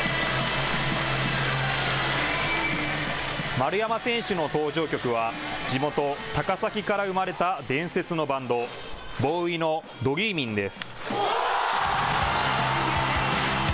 丸山選手の登場曲は地元、高崎から生まれた伝説のバンド、ＢＯＯＷＹのＤＲＥＡＭＩＮ’です。